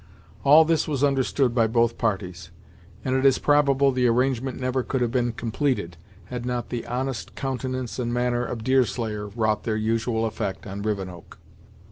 All this was understood by both parties, and it is probable the arrangement never could have been completed, had not the honest countenance and manner of Deerslayer wrought their usual effect on Rivenoak.